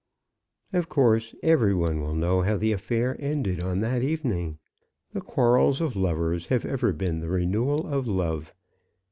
Of course, every one will know how the affair ended on that evening. The quarrels of lovers have ever been the renewal of love.